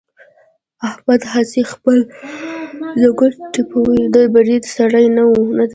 احمد هسې خپل زنګون ټپوي، د برید سړی نه دی.